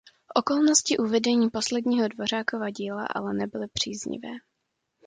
Okolnosti uvedení posledního Dvořákova díla ale nebyly příznivé.